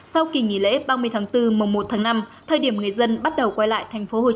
sau kỳ nghỉ lễ ba mươi tháng bốn mùa một tháng năm thời điểm người dân bắt đầu quay lại tp hcm lao động học tập